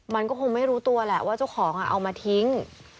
มันก็คงไม่รู้ตัวแหละว่าเจ้าของเอามาทิ้ง